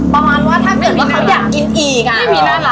ประมาณว่าถ้าเกิดว่าเขาอยากกินอีกอ่ะไม่มีนั่นเหรอ